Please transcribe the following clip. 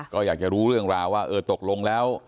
ก็อยากจะรู้เรื่องราวว่าเออตกลงแล้ว